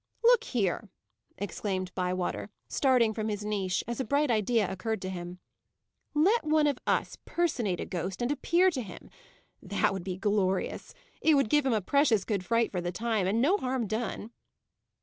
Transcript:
"Look here!" exclaimed Bywater, starting from his niche, as a bright idea occurred to him. "Let one of us personate a ghost, and appear to him! That would be glorious! It would give him a precious good fright for the time, and no harm done."